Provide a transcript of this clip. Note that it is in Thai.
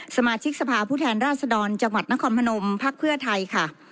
สมาชิกสภาพผู้แทนราชดรจังหวัดนครพนมพักเพื่อไทยค่ะ